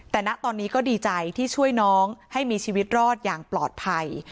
แต่น่ะตอนนี้ก็ดีใจที่มีชีวิตรอดอย่างปลอดภัย